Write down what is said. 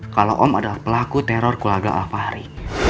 kalau om adalah pelaku teror kulaga al fahri